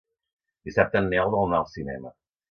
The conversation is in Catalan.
Dissabte en Nel vol anar al cinema.